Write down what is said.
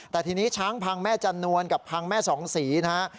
แต่ทีนี้ช้างพังแม่จันนวลกับพังแม่สองศรีนะฮะ